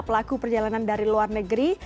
pelaku perjalanan dari luar negeri